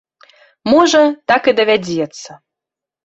Можа, так і давядзецца.